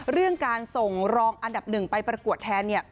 เรื่องการส่งรองอันดับหนึ่งไปประกวดแทนเนี่ย